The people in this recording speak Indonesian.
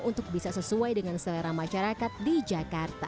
untuk bisa sesuai dengan selera masyarakat di jakarta